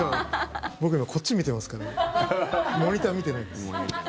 僕今こっち見てますからモニター見てないです。